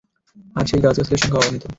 আর সেই গাছগাছালির সংখ্যা অগণিত!